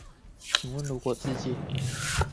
請問如果自介